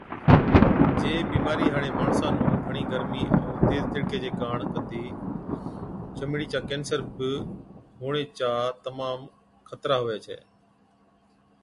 جي بِيمارِي هاڙي ماڻسا نُون گھڻِي گرمِي ائُون تيز تِڙڪي چي ڪاڻ ڪتِي چمڙِي چا ڪينسر بِي هُوَڻي چا تمام خطرا هُوَي ڇَي